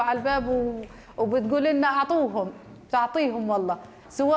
saya akan memberi mereka saya akan memberi mereka